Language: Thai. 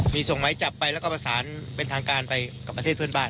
มีส่งหมายจับไปแล้วก็ประสานเป็นทางการไปกับประเทศเพื่อนบ้าน